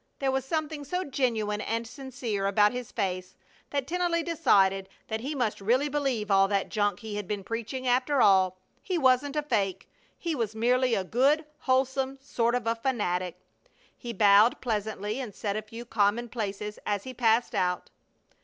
There was something so genuine and sincere about his face that Tennelly decided that he must really believe all that junk he had been preaching, after all. He wasn't a fake, he was merely a good, wholesome sort of a fanatic. He bowed pleasantly and said a few commonplaces as he passed out.